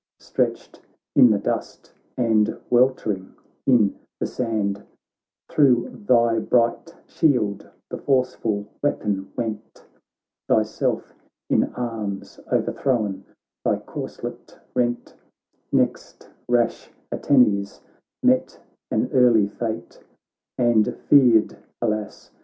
Stretched in the dust and weltering in the sand ; Thro' thy bright shield the forceful weapon went. Thyself in arms o'erthrown, thy corselet rent. Next rash Antennes met an early fate. And feared, alas